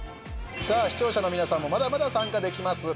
視聴者の皆さんもまだまだ参加できます。